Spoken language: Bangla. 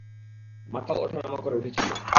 মাথাও ওঠানামা করে উঠেছিল।